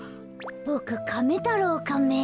ボクカメ太郎カメ。